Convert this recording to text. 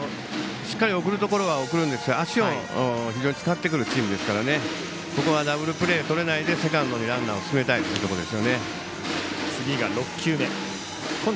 しっかり送るところは送るんですが足を非常に使ってくるチームなのでここはダブルプレーとられないでセカンドにランナーを進めたいところですね。